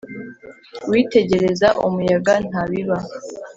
Uwitegereza umuyaga ntabiba